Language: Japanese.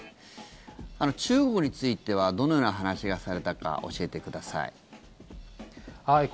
中国についてはどのような話がされたか教えてください。